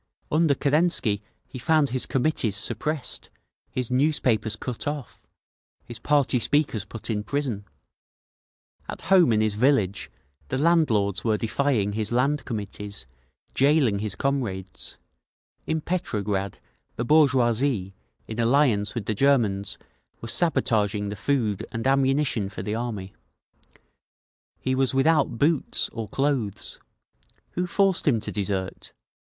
Under Kerensky he found his Committees suppressed, his newspapers cut off, his party speakers put in prison…. At home in his village, the landlords were defying his Land Committees, jailing his comrades…. In Petrograd the bourgeoisie, in alliance with the Germans, were sabotaging the food and ammunition for the Army…. He was without boots, or clothes…. Who forced him to desert?